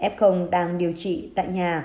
f đang điều trị tại nhà